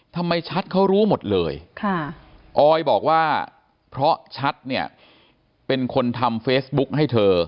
ชัดเขารู้หมดเลยออยบอกว่าเพราะชัดเนี่ยเป็นคนทำเฟซบุ๊กให้เธอ